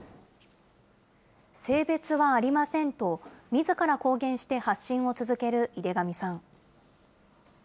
性別はありませんと、みずから公言して発信を続ける井手上さん。